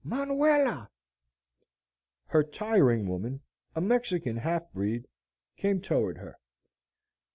"Manuela!" Her tiring woman, a Mexican half breed, came toward her.